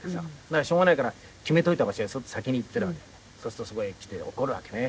だからしょうがないから決めといた場所へ先に行ったらそうするとそこへ来て怒るわけね。